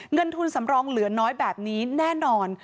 เงินทุนสำรองเหลือน้อยแบบนี้แน่นอน